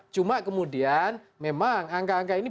cuma kemudian memang angka angka ini